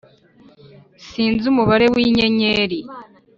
sinzi umubare w’inyenyeri